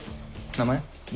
名前。